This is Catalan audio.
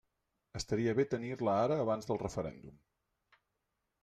Estaria bé tenir-la ara abans del referèndum.